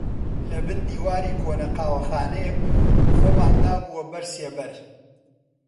لەبن دیواری کۆنە قاوەخانەیەک خۆمان دابووە بەر سێبەر